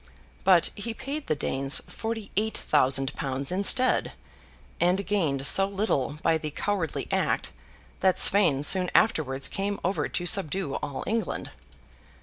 But he paid the Danes forty eight thousand pounds, instead, and gained so little by the cowardly act, that Sweyn soon afterwards came over to subdue all England.